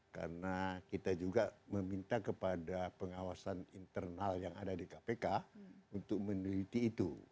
karena kita juga meminta kepada pengawasan internal yang ada di kpk untuk meneliti itu